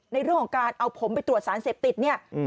ในเรื่องของการเอาผมไปตรวจสารเสพติดเนี่ย